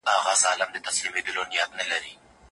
کميټي به په پټو غونډو کي امنيتي مسايل څېړي.